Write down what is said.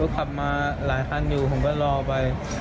ขับมาหลายคันอยู่ผมก็รอไป